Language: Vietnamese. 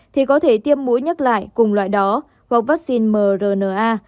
thì có thể tiêm mũi nhắc lại cùng loại đó hoặc vaccine mrna